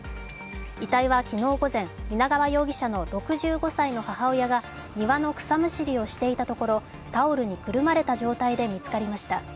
遺体は昨日午前、皆川容疑者の６５歳の母親が庭の草むしりをしていたところタオルにくるまれた状態で見つかりました。